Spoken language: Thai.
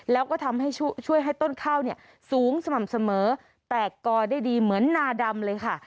แล้วก็ทำให้ช่วยให้ต้นข้าวเนี่ยสูงสม่ำเสมอแตกกอได้ดีเหมือนนาดำเลยค่ะ